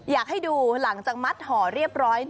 อยากให้ดูหลังจากมัดห่อเรียบร้อย